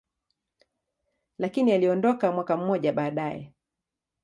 lakini aliondoka mwaka mmoja baadaye.